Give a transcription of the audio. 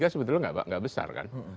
sebetulnya tidak besar